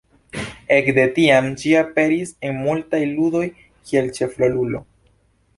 Ekde tiam, ĝi aperis en multaj ludoj kiel ĉefrolulo.